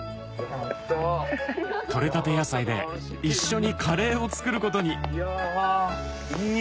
とれたて野菜で一緒にカレーを作ることにいい！